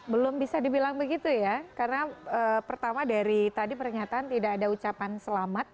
belum bisa dibilang begitu ya karena pertama dari tadi pernyataan tidak ada ucapan selamat